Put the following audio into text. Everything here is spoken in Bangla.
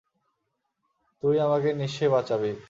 তুই আমাকে নিশ্চয়ই বাঁচাবি!